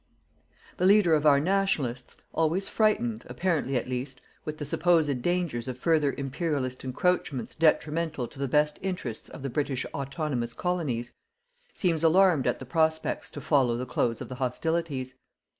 The leader of our "Nationalists," always frightened, apparently at least, with the supposed dangers of further Imperialist encroachments detrimental to the best interests of the British autonomous Colonies, seems alarmed at the prospects to follow the close of the hostilities.